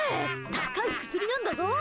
高い薬なんだぞ！